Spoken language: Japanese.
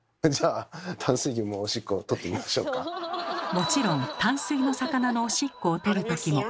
もちろん淡水の魚のおしっこをとるときも。